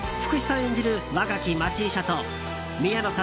演じる若き町医者と宮野さん